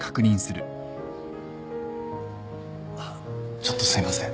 ちょっとすいません。